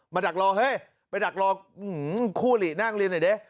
ดักรอเฮ้ยไปดักรอคู่หลีนั่งเรียนหน่อยดิ